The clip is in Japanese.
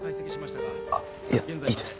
あっいやいいです。